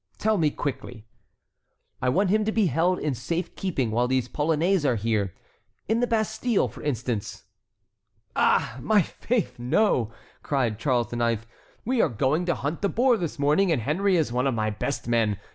Tell me quickly!" "I want him to be held in safe keeping while these Polonais are here; in the Bastille, for instance." "Ah! my faith, no!" cried Charles IX. "We are going to hunt the boar this morning and Henry is one of my best men.